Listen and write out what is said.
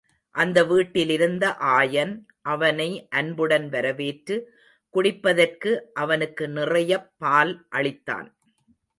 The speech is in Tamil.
அந்த வீட்டிலிருந்த ஆயன், அவனை அன்புடன் வரவேற்று, குடிப்பதற்கு அவனுக்கு நிறையப் பால் அளித்தான்.